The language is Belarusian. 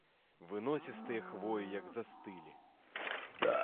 Выносістыя хвоі як застылі.